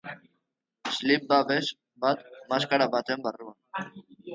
Slip-babes bat maskara baten barruan.